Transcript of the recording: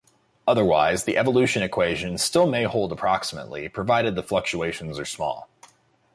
Otherwise, the evolution equations still may hold approximately, provided fluctuations are small.